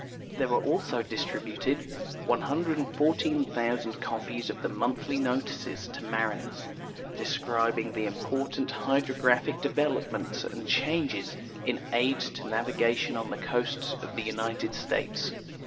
There were also distributed 114,000 copies of tbe monthly notices to mai i ners, describing the important hydrographic develoi)inents and changes in aids to navigation on tlie coasts of the United States.